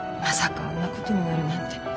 まさかあんなことになるなんて。